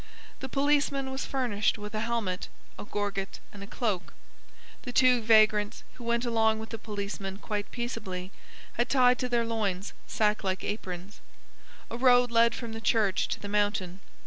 The policeman was furnished with a helmet, a gorget, and a cloak. The two vagrants, who went along with the policeman quite peaceably, had tied to their loins sack like aprons. A road led from the church to the mountain.